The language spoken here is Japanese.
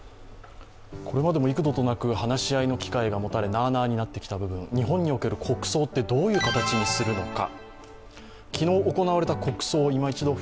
これまでも幾度となく話し合いの機会が持たれなあなあになっていた部分、日本における国葬ってどういう形にするのか。